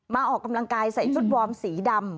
ออกกำลังกายใส่ชุดวอร์มสีดำ